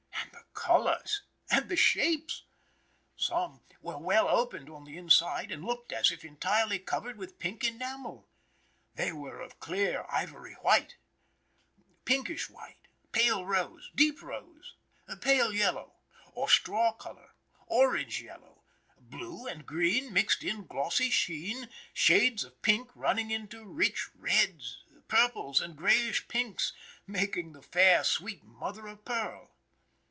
And the colors! And the shapes! Some were well opened on the inside, and looked as if entirely covered with pink enamel. They were of clear, ivory white, pinkish white, pale rose, deep rose, pale yellow, or straw color, orange yellow, blue and green mixed in glossy sheen, shades of pink running into rich reds, purples and grayish pinks, making the fair, sweet mother o' pearl.